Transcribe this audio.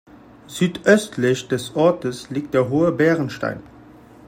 Südöstlich des Ortes liegt der hohe Bärenstein.